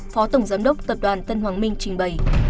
phó tổng giám đốc tập đoàn tân hoàng minh trình bày